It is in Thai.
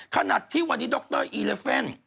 ขณะที่วันนี้ดรอีเลเฟ่น